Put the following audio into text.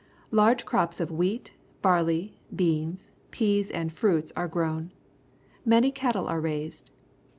Large crops of wheat, barlev. b £ans..Deas. and fruits are grown. Many cattle are raised.